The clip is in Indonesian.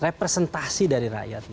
representasi dari rakyat